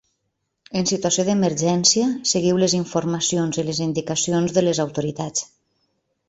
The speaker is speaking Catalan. En situació d’emergència seguiu les informacions i les indicacions de les autoritats.